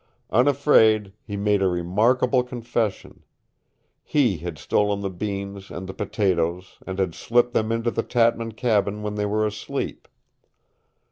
Unafraid, he made a remarkable confession. He had stolen the beans and the potatoes and had slipped them into the Tatman cabin when they were asleep.